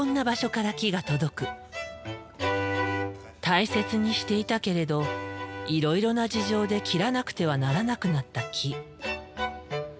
大切にしていたけれどいろいろな事情で切らなくてはならなくなった木。